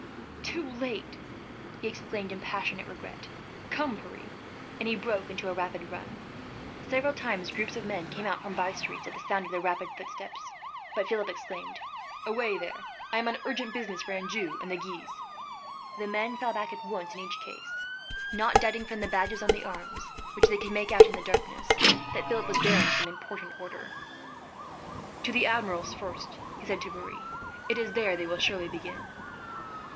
"Too late!" he exclaimed, in passionate regret. "Come, Pierre," and he broke into a rapid run. Several times groups of men came out from bye streets at the sound of the rapid footsteps, but Philip exclaimed: "Away there! I am on urgent business for Anjou and Guise." The men fell back at once, in each case, not doubting from the badges on the arms, which they could make out in the darkness, that Philip was bearing some important order. "To the Admiral's, first," he said to Pierre. "It is there they will surely begin."